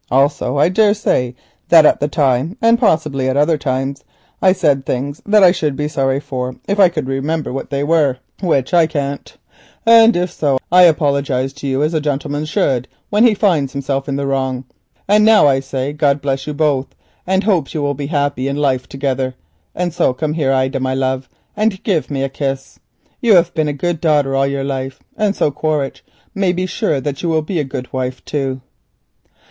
Also, I dare say that at the time, and possibly at other times, I said things I should be sorry for if I could remember what they were, which I can't, and if so, I apologise to you as a gentleman ought when he finds himself in the wrong. And so I say God bless you both, and I hope you will be happy in life together; and now come here, Ida, my love, and give me a kiss. You have been a good daughter all your life, and so Quaritch may be sure that you will be a good wife too."